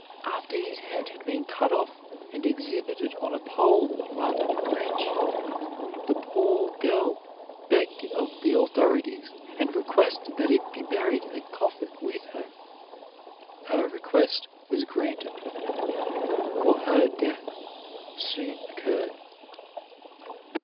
After his head had been cut off and exhibited on a pole on London Bridge, the poor girl begged it of the authorities, and requested that it be buried in the coffin with her. Her request was granted, for her death soon occurred.